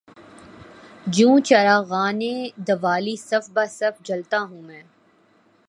جوں چراغانِ دوالی صف بہ صف جلتا ہوں میں